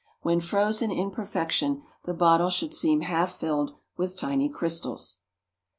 When frozen in perfection the bottle should seem half filled with tiny crystals.